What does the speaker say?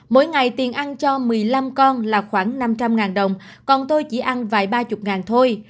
mỗi ngày tiền ăn cho một mươi năm con là khoảng năm trăm linh đồng còn tôi chỉ ăn vài ba chục ngàn thôi